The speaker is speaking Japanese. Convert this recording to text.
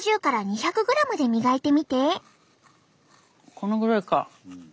このぐらいか。